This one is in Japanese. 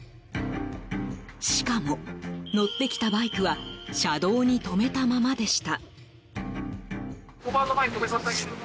しかも、乗ってきたバイクは車道に止めたままでした。